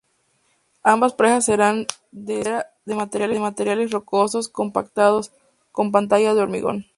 Ambas presas serán de escollera de materiales rocosos compactados, con pantalla de hormigón.